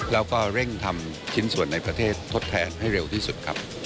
แล้วก็เร่งทำชิ้นส่วนในประเทศทดแทนให้เร็วที่สุดครับ